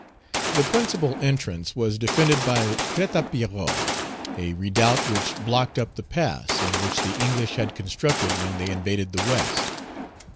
The principal entrance was defended by Crête à Pierrot, a redoubt which blocked up the pass, and which the English had constructed when they invaded the West.